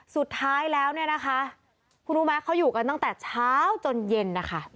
สุดท้ายแล้วคุณรู้ไหมเขาอยู่กันตั้งแต่เช้าจนเย็น